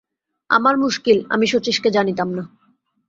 আমার মুশকিল, আমি শচীশকে জানিতাম না।